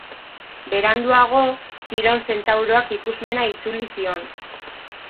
Beranduago, Kiron zentauroak ikusmena itzuli zion.